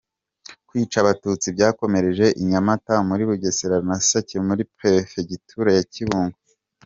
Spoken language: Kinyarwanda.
Kwica Abatutsi byakomereje i Nyamata muri Bugesera na Sake muri Perefegitura ya Kibungo.